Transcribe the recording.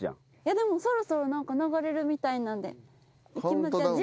でもそろそろ流れるみたいなんで。